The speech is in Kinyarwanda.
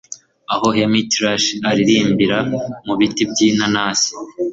Aho hermitthrush aririmbira mubiti byinanasi